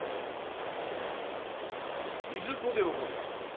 いずこで覚えた？